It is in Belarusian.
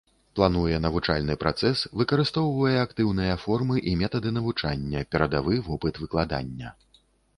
Плануе навучальны працэс, выкарыстоўвае актыўныя формы і метады навучання, перадавы вопыт выкладання.